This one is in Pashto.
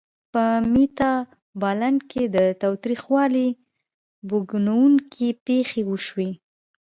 په میتابالنډ کې د تاوتریخوالي بوږنوونکې پېښې وشوې.